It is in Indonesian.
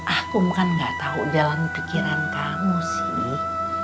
aku kan gak tahu dalam pikiran kamu sih